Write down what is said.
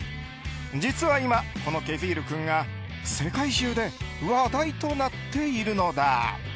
実は、今このケフィール君が世界中で話題となっているのだ。